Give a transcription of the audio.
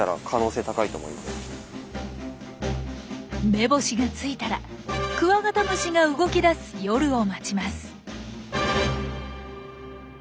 目星がついたらクワガタムシが動きだす夜を待ちます。